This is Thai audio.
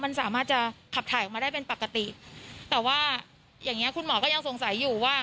มันสามารถจะขับถ่ายออกมาได้เป็นปกติแต่ว่าอย่างเงี้คุณหมอก็ยังสงสัยอยู่ว่า